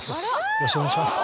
よろしくお願いします。